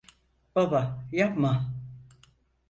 Baba, yapma!